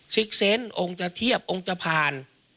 ซิกเซนต์องค์จะเทียบองค์จะผ่าน